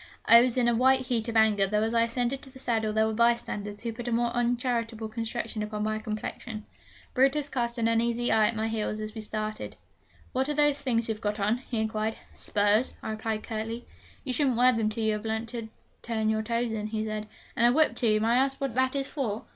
I was in a white heat of anger, though as I ascended to the saddle there were bystanders who put a more uncharitable construction upon my complexion. Brutus cast an uneasy eye at my heels as we started: 'What are those things you've got on?' he inquired. 'Spurs,' I replied curtly. 'You shouldn't wear them till you have learnt to turn your toes in,' he said. 'And a whip, too! May I ask what that is for?'